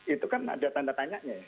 itu kan ada tanda tanyanya ya